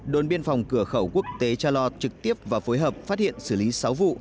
đồn biên phòng cửa khẩu quốc tế charlotte trực tiếp và phối hợp phát hiện xử lý sáu vụ